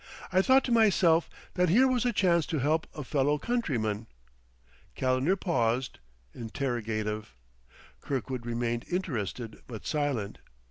I thought to myself that here was a chance to help a fellow countryman." Calendar paused, interrogative; Kirkwood remained interested but silent.